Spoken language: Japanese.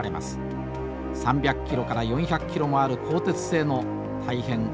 ３００キロから４００キロもある鋼鉄製の大変重い板です。